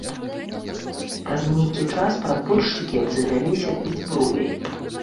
Праз нейкі час падпольшчыкі абзавяліся і зброяй.